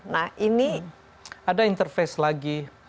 nah ini ada interface lagi